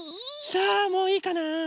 さあもういいかな。